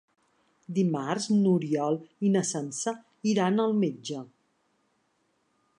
Dimarts n'Oriol i na Sança iran al metge.